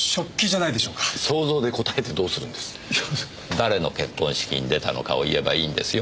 誰の結婚式に出たのかを言えばいいんですよ。